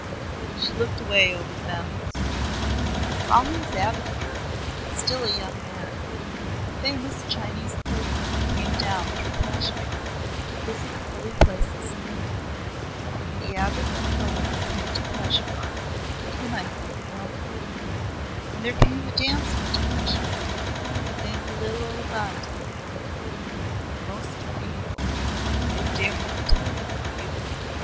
She looked away over the mountains. "While he was abbot here, still a young man, a famous Chinese Pilgrim came down through Kashmir to visit the Holy Places in India. The abbot went forward with him to Peshawar, that he might make him welcome. And there came a dancer to Peshawar, named Lilavanti, most beautiful! I dare not tell you her beauty.